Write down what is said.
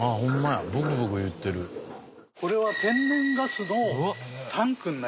これは天然ガス？